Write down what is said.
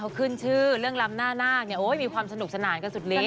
เกลงขึ้นชื่อเรื่องรำหน้ามีความสนุกสนานกันสุดเล็ก